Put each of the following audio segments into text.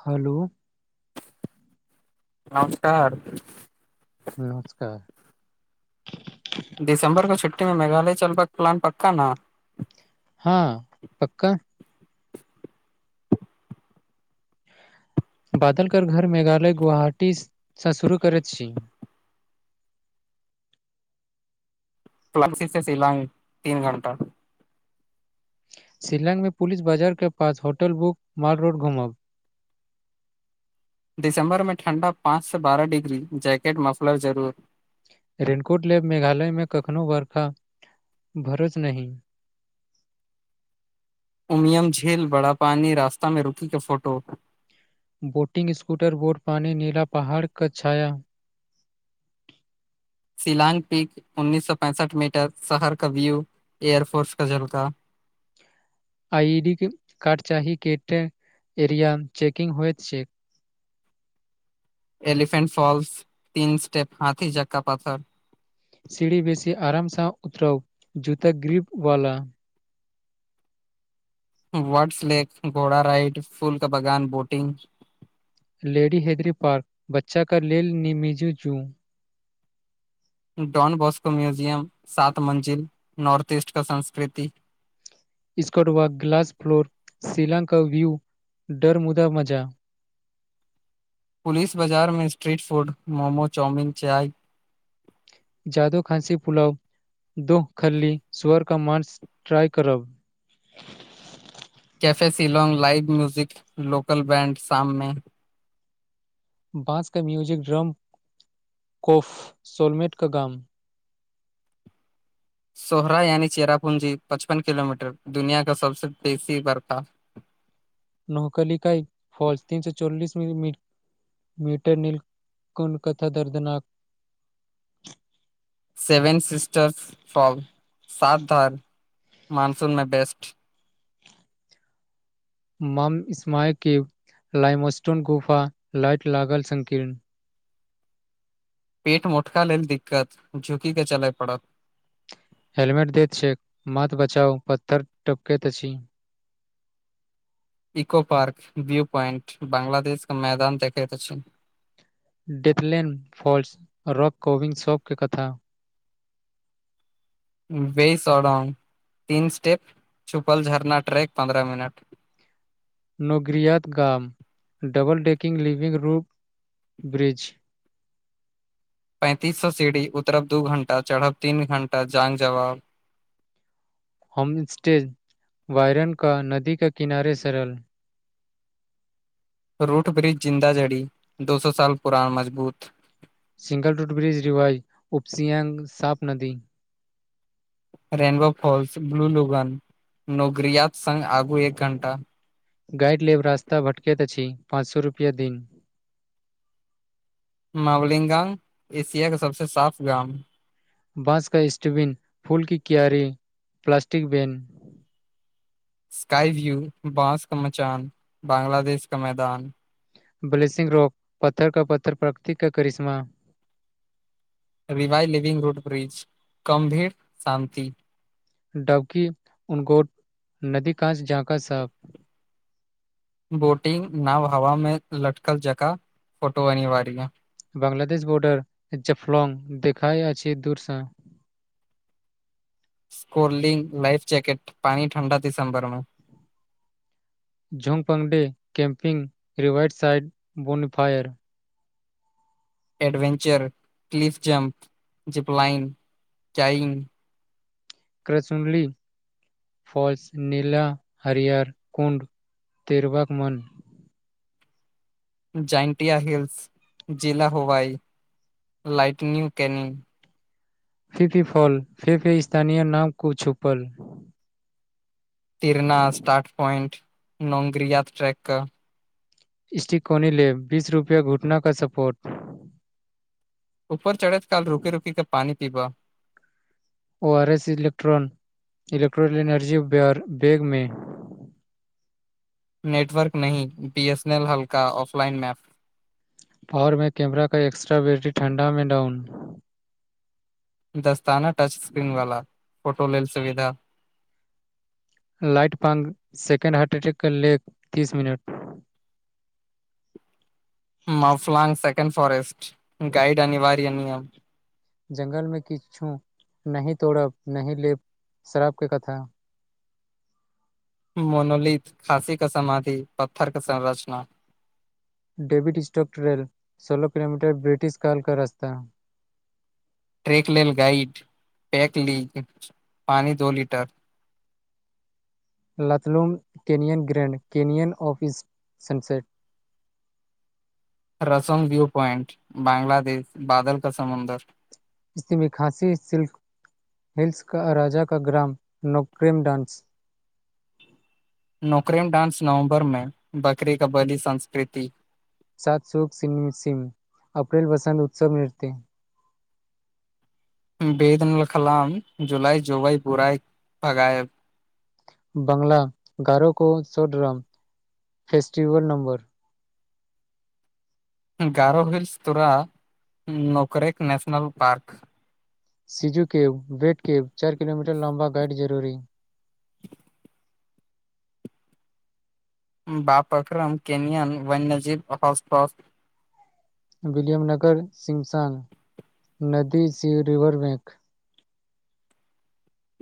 हलो नमस्कार नमस्कार चलबै प्लान पक्का न हँ पक्का बादलकर घर मेघालय गुवाहाटीसँ शुरू करैत छी [inaudible] क्लसी से सिलंग तीन घण्टा शिलंगमें पुलिस बाजार के पास होटल बुक माड रोड घुमब दिसं्बर में ठणंडा पाँच से बारह िग्री जैकेट मफलर जरूर रेनकोट ले मेघालय में कखनो बर्खा भरोस नही उमीयमझील बड़ा पानी रास्तामें रुकी के फोटो बोटिंग स्कूटर बोट नीला पहाड़ क छाया शिलांग पीक उन्नीस सौ पैंसठ मीटर शहर कव्यू एयरफोर्स का झलका आइ डी कार्ड चाही कटा एरियाम चेेकिंग होयत छै एलिफेन्ट फॉल्स तीन स्टेप हाथी जक्का पत्थर सीढ़ी बेसी आरामसँ उतरउ जूता ग्रिप वाला वर्ट्स लेक घोड़ा राइड फूलका बगान बोटिंग लेडी हेदरी पार्क बच्चा का लेल निमिजू जू डॉन बॉस्को म्यूजियम सात मंजिल नार्थ ईस्ट का संस्कृति स्कॉट वा ग्लस फ्लोर शीलंग कव्यू डर मुुदा मजा [inaudible] पुलिस बाजारमें स्ट्रीट फूड मोमो चाऊमिन चाय जादो खाँसी फुलाव दोह खल्ली सुअर का माँस ट्राइ करब [inaudible] cafe Shillong live music local band शाममे बाँस क म्यूजिक ड्रम कोफ़ सोलमेट का गाम सोहरा यानि चेरापुंजी पचपन किलोमीटर दुनिया क सबस बेसी बरका [inaudible] नौकल कइ फॉल्स तीन सए चोलस [unintelligible] मीटर नील कुन कथा दर्दनााक सेभन सिस्टारस फर सात धार मानसूनमे बेस्ट [unintelligible] लामस्टोन गुफा लाट लागल संकीर्ण पेट मोटका लेल दिक्कत झुकीक के चलय पड़त हेलमेट दैत छै मत बचााव पत्थर टपकै छी [inaudible] इको पार्क भ्यू पॉइन्ट बंगलदेशके मैदान देखत छै डेथलेन फॉल्स रॉक कोविन शॉपके कथा वेस आडाम तीन स्टेप छुपल झरना ट्रैक पन्द्रह मिनट नोगरियत गाम double decker living room bridge [inaudible] पैंतीस सए सीढ़ी उतरब दू घण्टा चढ़ब तीन घणटा जान जवाब [inaudible] होमस्टेज वायरन का नदी के किनारे सरल रूट ब्रिज जिन्द जड़ी दो सए साल पुरान मजबूत सिंगल रूट ब्रिज रिवइ उपसियांग साप नदी रेनबो फॉल्स ब्लू लोगन नोगरिया सङ् आगू एक घण्टा गाइड लेब रास्ता भटकैत अछि पाँच सए रुपआ दिन मावलिगांग एशिया के सबसँ साफ गाम बाँस क स्स्टबिन फूलके क्यारी प्लास्टिक बैन स्काई व्यू बाँस का मचान बांग्लादेश का मैदान ब्लेसिंग रॉक पत्थर क पत्थर प्रकृति क करिश्मा रिवाइ लिविंग रूट ब्रिज कम भेर शान्ति डबकी उनगोट नदी कांश झाँका साफ बोटिंग नाव हवा में लटकल जकाँ फोटो अनिवार्य यै बंगलदेश बोर्डर जफलंग देखाइ अछि दूरसँ [inaudible] कोल्डिं लाइफ जैकेट पानि ठण्डा दिसंबर मे झो् पंगडे camping river side bonfire adventure cliff jump zipline kayaking कर सुनली फॉल्स नीला हरियर कुण्ड तिरवक म जंटिया हिल्स जिला हवाई लाइटनिू कनिंग फीफी फॉल फेफे स्थानीय नाम कु छुपल तैरना स्टारट पॉन्ट नगरिया ट्रक स्टीक कोॉनी ले बीस रुपआ घुटना क सपोर्ट ऊपर चढ़ैत काल रुकि रुकि कऽ पानि पीबा ओ आरएस इलेक्ट्रॉन एनर्जी बैगमे [unintelligible] नेटवर्क नहिं बीएसएनएल हल्का ऑफलाइन मैप पावरमे कैमरा क एक्स्ट्रा बैटरी ठण्डा में डाउन दस्ताना टच स्क्रीन वाला फोटो लेल सुविधा लाइट पांग सेकंड हार्ट अटैक कर ले तीस मिनट [inaudible] मफलांग सेकं फारेस्ट गैड अनिवार्य नियम जंगल मे किछु नहि तोड़ब नहि लेब शराबके कथा [inaudible] मनोलित खााँसी का समाधि पत्थर क संरचना डविड स्ट्रकट रेल सोलह किलोमीटर ब्रिटिश कलक रास्त ट्रैेक लेल गाइड पैक ली पानि दो litre Laitlum canyon grand canyon of east sunset रसन व्यू पॉइंट बांग्लादेश बादल क समुन्दर जसस मे खाँसी सिल्क हिल्स का राजा का ग्राम नोक्रेमडानस नोक्रेमडानस नवम्बरमें बकरी क बली संस्कृति सात सुख सिम सिम अप्रैल बसत उत्सव नृत्य बेदनलकलाम जुलाई जबई बुराई भगायब बंगला गारो को छोड़ रह festival number Garo hills Tura Nokrek national park Siju cave वेट कब चार किलोमीटर लम्बा गाइड जरूरी बापक्रम केनियन वन्यजीव हॉसपस विलियम नगर सिमसांग नदी स रिवर बैंक [inaudible]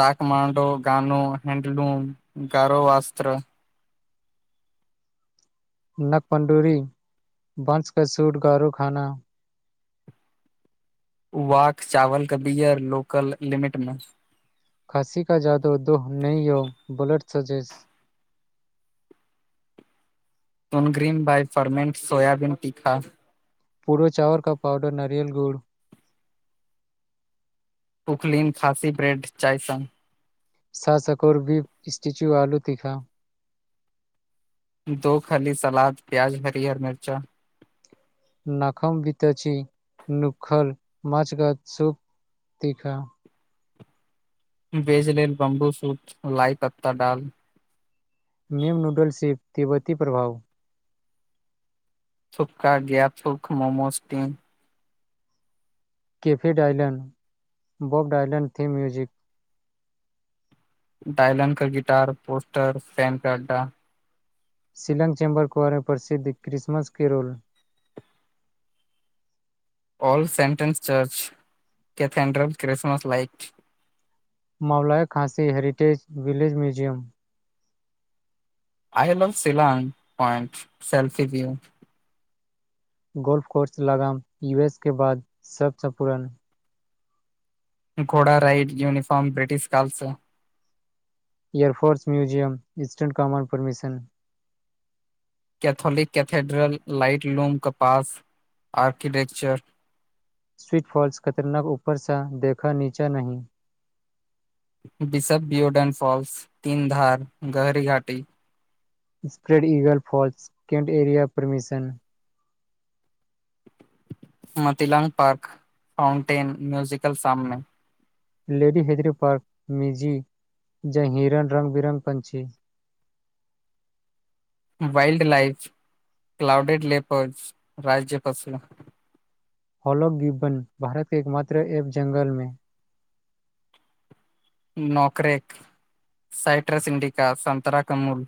दाक माडो गानो हैंडलूम गारो वस्त्र नक पंडूरी बंश क सूट गारो खाना वाक चावल क बियर लोकल लिमिट मे खाँसी का जाादू दोह नहि य बलट सजेश तन ग्रीम बइ फर्मेंट सोयाबीन तीखा पूड़ चावर का पावउडर नारियल गुड़ पुकलिन खाँसी ब्रेड चाइसन श सकोर बीप स्टेच्यू आलू तीखा दो खली सलाद प्याज हरियर आऔर मिरचा नखम बितची नुखल मछगात सुूख तीखा बेेज लेल बम्बू सूत लाइ पत्ता डाल मीम नूडल्स से तिब्बती प्रभाव थुकका गा थक मोमोज टीम केफे डइलं्ड बब डइलं्ड थीम म्यूजिक डायलन क गिटार पोस्टर फैन क अड्डा शिलंग चेम्बर कुआरमे प्रसिद्ध क्रिसमस के role [inaudible] all sentence church cathedral Christmas light मौलाया Khasi heritage village museum I love सिल् पॉन्टल्फी व्यू गोल्फ कोर्स लगाम यूएस के बाद सबसँ पूुरान घोड़ा राइट यूनिफारर््म ब्रिटिश कालस air force museum instant कमं् permission Catholic cathedral light loom कपास आर्किटेकचर स्वीटफॉल्स खतरनाक ऊपरसँ देखा नीचा नं बिशप बायोडन फॉल्स तीन धार गहरी घाटी स्प्रेड ईगल फॉल्स कंट एरिया परमिशन मतिल् पार्क पाउनटेन म्यूजिकल साममे लेडी हेदरी पार्क मिजी ज हिरन रङ् बिरङ्ग पंछी [inaudible] वाइल्ड लाइफ क्लाउडेड लेपर्ज राज्य पसल हॉलोग गिब्बन भारत एक मात्र ऐप जङ्ंगलमे नोकरेक सइट्रास इन्डिका सन्तरा कमूल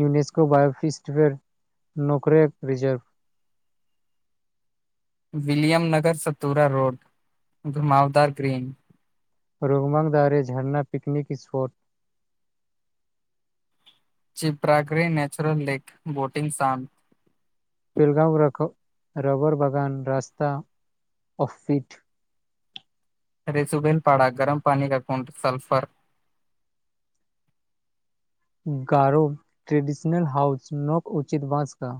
UNESCO biosphere Nokrek reserve [inaudible] William नगर सतूरा रोड घुमावदार ग्रीन रोगमंग दारे झरना पिकनिक स्पॉट चिप्राग्ररी नेचरल लेक बोतिग साम पेलगाँव रख रबर बागान रास्ता ओफिट रेसुबन पाड़ा गरम पानि का कुट सल्फर गारो ट्रेडिशनल हाउज नक उचित बाँस का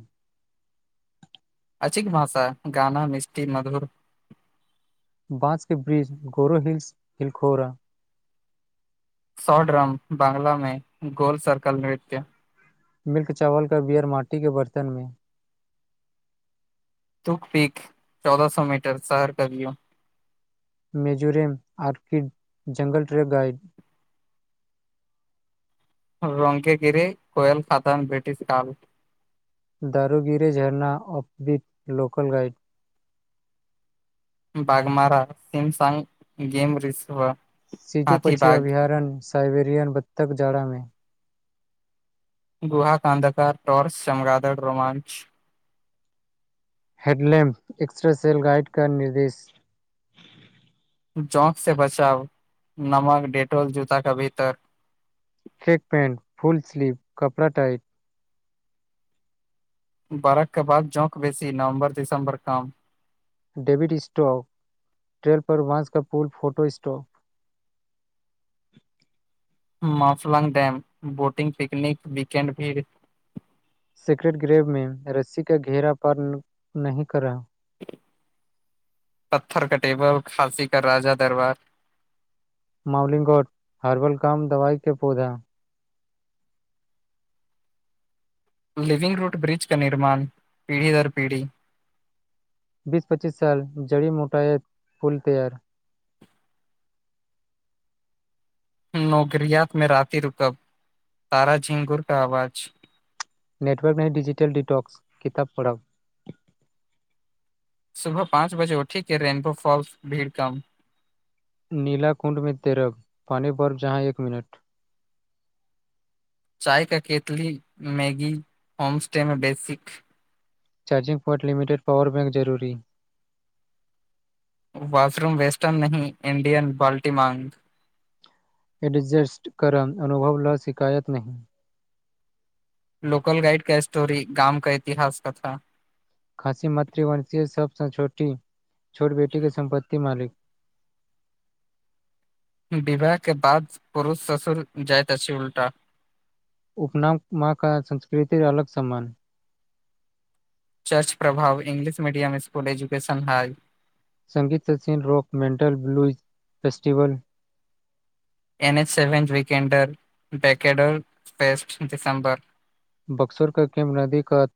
[inaudible] अच भाषा ह गाना मिष्टी मधुर बाँस के ब्रिज गोरो हिल्स हिलखोरा सॉ ड्रम बांगलामें गोल सर्कल नृत्य मिल्क चावल क बियर माटी के बर्तन मे तुक पीक चौदह सो मीटर शहर कवियो मेजोरम आर्किड जङ्गल ट्रक गाड रङकेगिरि कोयल खातन ब्रिटिश काल दारूगिरे झरना अफवट local guide Baghmara Simsang game रस व सीजु पछी अभयारण्य साइबेरिअन बत्तक जाड़मे गोहा कानधाका टॉर्स चमगादड़ रोमांच हेडलैम्प एक्स्ट्रा सेेल गाइड क निर्देश जौंक से बचााव नमक डेटोल जूता क भीतर शेक पैंट फुल स्लीव कपड़ा टाइट बाराकके बाद जौंक बेसी नवं्बर दिसं्बर काम डविड स्टॉक ट्रेल पर वंस का पूल photo stock [inaudible] माफल् dam boating picnic weekend भीड़ सिक्रेट ग्रेवमे रस्सी क घेरा पार नहि करा पत्थर कटेबल खाँसी क राजा दरबार माउलिंगोट हर्बल काम दवाई के पौधा लिविंग रूट ब्रिज क निर्माण पीढ़ी दर पीढ़ी बीस पच्चीस साल जड़ी मोटायत पुल तैयार नोकररियात में राति रुकब तारा झिंगुर का आवाज़ नेटवर्क नहि डजिटल डटक्स किताब पढ़ सुबह पाँच बजे उठीके रेनबो फॉल्स भीड़ कम नीला कुण्ड में तेरग पानी बर्फ जहाँ एक मिनट चाय का केतली मैगी होमस्टे में basic charging pot limited power bank जरूरी बाथरूम वेस्टर्न नं इंडियन बाल्टी माँग एडजस्ट करब अनुभव ल शिकायत नहि लोकल गाइड का स्टोरी गाम का इतिहास कथा खसी मातृवंशीय सबस छोटी छोट बेटी के सम्पत्तति मालिक [inaudible] विवाह के बाद पुरुष ससुर जाइत अछि उल्टा उपनाम म क संस्कृतर अलग सम्मान चर्च प्रभाव English medium school education high सङ्गीत सचन rock metal blues festival N H seventh weekender बकेडर फेस्ट दिसम्बर बक्सर क किम नदी क